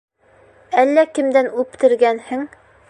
Әллә кемдән уптергәнһең